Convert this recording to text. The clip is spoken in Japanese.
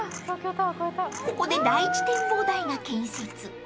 ［ここで第１展望台が建設］